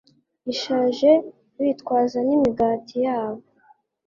ishaje bitwaza n imigati yabo